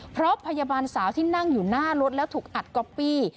เพราะพยาบาลสาวที่นั่งอยู่หน้ารถแล้วถูกอัดก๊อปปี้